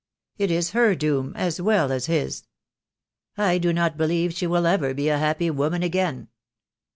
It is her doom, as well as his. I do not believe she will ever be a happy woman again."